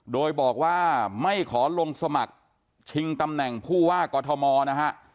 โดยบอกว่าไม่ขอลงสมัครชิงตำแหน่งผู้ว่ากอทมนะฮะ